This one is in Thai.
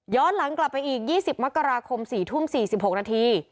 หลังกลับไปอีก๒๐มกราคม๔ทุ่ม๔๖นาที